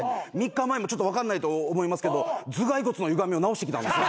３日前もちょっと分かんないと思いますけど頭蓋骨のゆがみを直してきたんです。